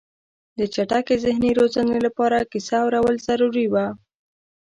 د چټکې ذهني روزنې لپاره کیسه اورول ضروري وه.